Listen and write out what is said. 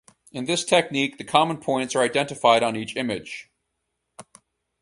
In this technique, the common points are identified on each image.